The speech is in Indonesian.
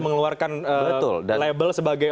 mengeluarkan label sebagai